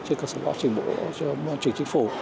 trên các sản phẩm trình bộ trên các sản phẩm trình chính phủ